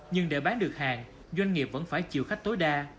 nhưng để bán được hàng doanh nghiệp vẫn phải chịu khách tối đa